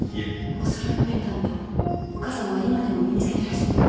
おそろいのペンダントお母さんは今でも身に着けてらっしゃいますよ。